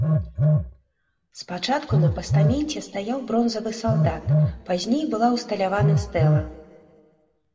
Спачатку на пастаменце стаяў бронзавы салдат, пазней была ўсталявана стэла.